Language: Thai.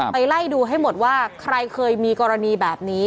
ไล่ดูให้หมดว่าใครเคยมีกรณีแบบนี้